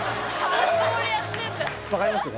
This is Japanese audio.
分かりますね